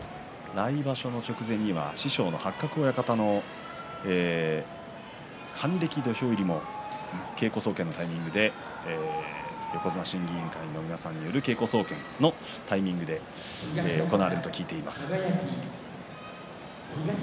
来場所の直前には師匠の八角親方の還暦土俵入りが稽古総見のタイミングで横綱審議委員会の皆さんによる稽古総見のタイミングで行われると聞いています。